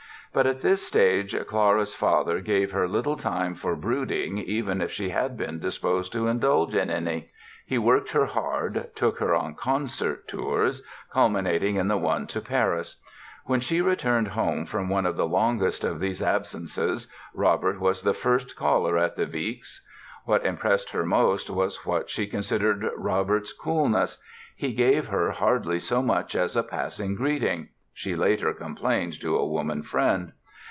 But at this stage Clara's father gave her little time for brooding even if she had been disposed to indulge in any. He worked her hard, took her on concert tours, culminating in the one to Paris. When she returned home from one of the longest of these absences, Robert was the first caller at the Wiecks'. What impressed her most was what she considered Robert's coolness; he gave her "hardly so much as a passing greeting", she later complained to a woman friend.